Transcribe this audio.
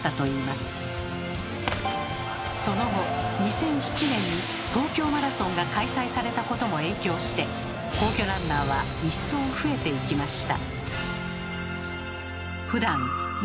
その後２００７年に「東京マラソン」が開催されたことも影響して皇居ランナーは一層増えていきました。